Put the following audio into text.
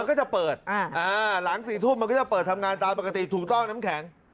มันก็จะเปิดหลัง๔ทุ่มมันก็จะเปิดทำงานตามปกติถูกต้องน้ำแข็ง